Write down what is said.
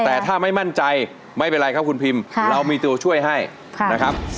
แต่ถ้าไม่มั่นใจไม่เป็นไรครับคุณพิมเรามีตัวช่วยให้นะครับ